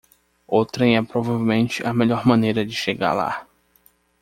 O trem é provavelmente a melhor maneira de chegar lá.